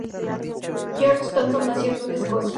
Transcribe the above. George Thomson nació en Dundee, Escocia.